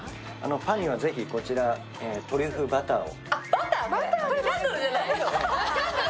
パンにはぜひ、このトリュフバターを。